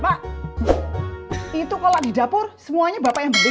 bapak itu kolak di dapur semuanya bapak yang beli